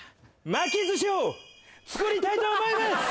巻き寿司を作りたいと思います！